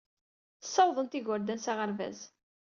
Ssawaḍent igerdan s aɣerbaz.